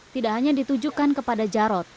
tidak hanya ditujukan kepada jarod